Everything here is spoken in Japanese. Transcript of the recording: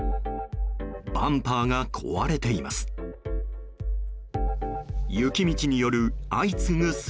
バンパーが壊れています。